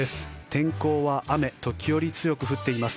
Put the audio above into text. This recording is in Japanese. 天候は雨時折強く降っています。